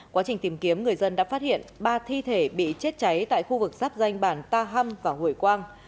quá trình tìm kiếm người dân đã phát hiện ba thi thể bị chết cháy tại khu vực giáp danh bản ta hâm và hủy quang